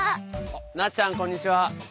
なっちゃんこんにちは。